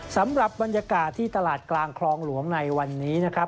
สำหรับบรรยากาศที่ตลาดกลางคลองหลวงในวันนี้นะครับ